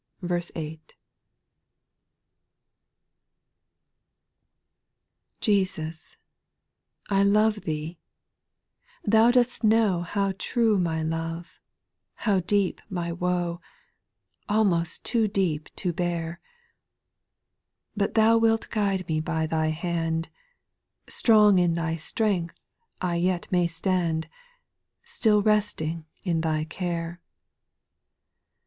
// 1. TESUS, I love Thee, Thou dost know V How true my love, how de^ my woe, Almost too deep to bear I But Thou wilt guide me by Thy hand, Strong in Thy strength 1 yet may stand, Still resting in Thy care.